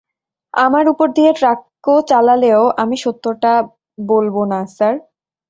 আমার উপর দিয়ে ট্রাকও চালালেও আমি সত্যটা বলব না, স্যার!